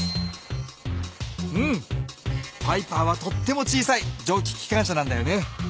うんパイパーはとっても小さいじょうききかん車なんだよね。